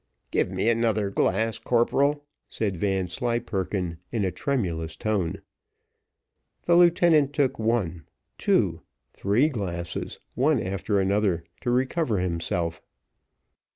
"Give me another glass, corporal," said Vanslyperken, in a tremulous tone. The lieutenant took one, two, three glasses, one after another, to recover himself.